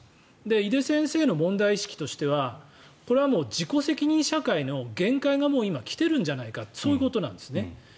井手先生の問題意識としてはこれは自己責任社会の限界が今、来てるんじゃないかとそういうことなんですね。